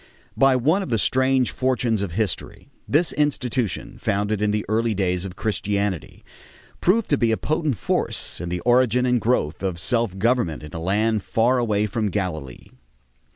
By one of the strange fortunes of history, this institution, founded in the early days of Christianity, proved to be a potent force in the origin and growth of self government in a land far away from Galilee.